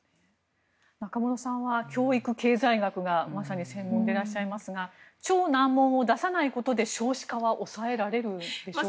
中室さんは、教育経済学がまさに専門でいらっしゃいますが超難問を出さないことで少子化は抑えられるんでしょうか。